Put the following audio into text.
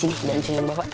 sini jangan cendam bapak